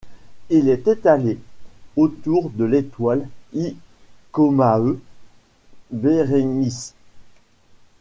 Il est étalé autour de l'étoile γ Comae Berenices.